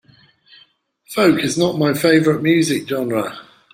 Folk is not my favorite music genre.